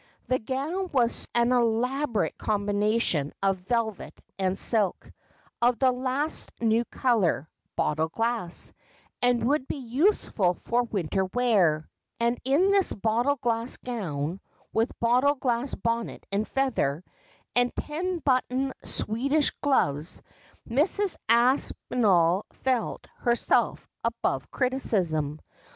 The gown was an elaborate combination of velvet and silk, of the last new colour, bottle glass, and would be useful for winter wear ; and iii thi*i bottle glass gown, with a bottle glass bonnet and feather, and ten buttoned Sweedish gloves, Mrs. Aspinall felt herself above criticism.